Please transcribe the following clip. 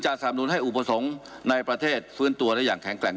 สนับหนุนให้อุปสรรคในประเทศฟื้นตัวได้อย่างแข็งแกร่ง